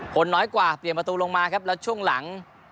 ผลน้อยกว่าเปลี่ยนประตูลงมาครับแล้วช่วงหลัง